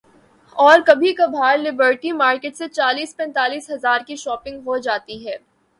اورکبھی کبھار Liberty market سے چالیس پینتالیس ہزار کی شاپنگ ہو جاتی ہے۔